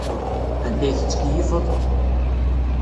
Anda ay tettkeyyifeḍ?